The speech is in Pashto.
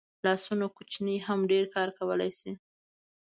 لاسونه کوچني هم ډېر کار کولی شي